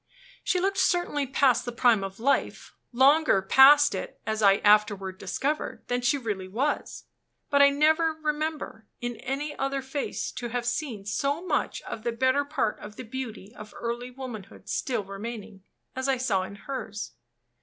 She looked certainly past the prime of life; longer past it, as I afterward discovered, than she really was. But I never remember, in any other face, to have seen so much of the better part of the beauty of early womanhood still remaining, as I saw in hers.